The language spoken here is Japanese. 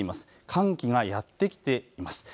寒気がやってきています。